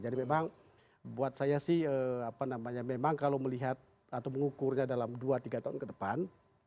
jadi memang buat saya sih memang kalau melihat atau mengukurnya dalam dua tiga tahun ke depan